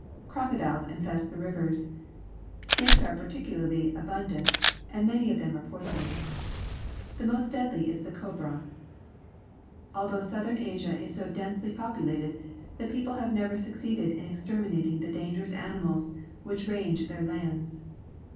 Crocodiles infest the rivers. Snakes are particularly abundant, and many of them are poisonous. The most deadly is the cobra. Although Southern A.sia is so densely populated, the people have never succeeded in exterminating the dangerous animals which range their lands.